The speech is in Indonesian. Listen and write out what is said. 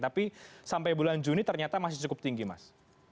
tapi sampai bulan juni ternyata masih cukup tinggi mas